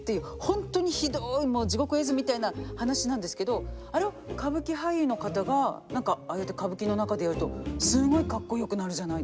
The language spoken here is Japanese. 本当にひどい地獄絵図みたいな話なんですけどあれを歌舞伎俳優の方が何かああやって歌舞伎の中でやるとすごいカッコよくなるじゃないですか。